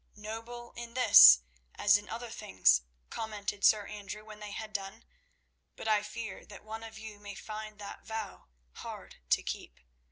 "Noble in this as in other things," commented Sir Andrew when they had done; "but I fear that one of you may find that vow hard to keep.